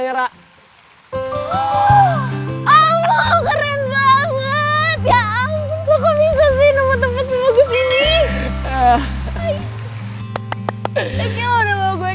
keren banget ya ampun kok bisa sih nomor tempat semoga gini